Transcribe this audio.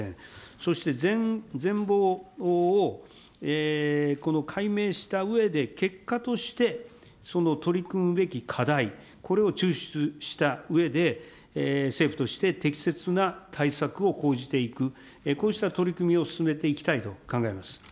そして全貌を解明したうえで、結果として、取り組むべき課題、これを抽出したうえで、政府として適切な対策を講じていく、こうした取り組みを進めていきたいと考えます。